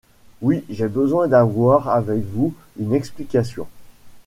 Oui, j'ai besoin d'avoir avec vous une explication.